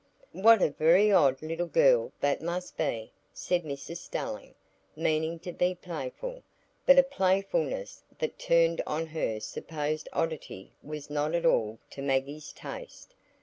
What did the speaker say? "What a very odd little girl that must be!" said Mrs Stelling, meaning to be playful; but a playfulness that turned on her supposed oddity was not at all to Maggie's taste.